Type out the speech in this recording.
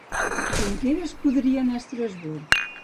Junqueras podria anar a Estrasburg